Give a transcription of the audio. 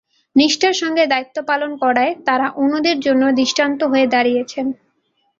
নিষ্ঠার সঙ্গে দায়িত্ব পালন করায় তাঁরা অন্যদের জন্য দৃষ্টান্ত হয়ে দাঁড়িয়েছেন।